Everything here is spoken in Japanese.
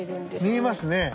見えますね。